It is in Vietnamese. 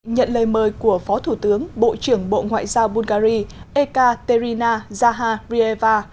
nhận lời mời của phó thủ tướng bộ trưởng bộ ngoại giao bungary ekaterina zaharieva